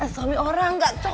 suami orang gak cocok